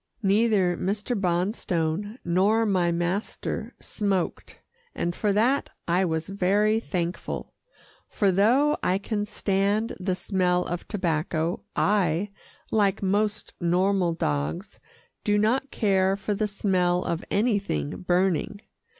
Neither Mr. Bonstone nor my master smoked, and for that I was very thankful, for though I can stand the smell of tobacco I, like most normal dogs, do not care for the smell of anything burning.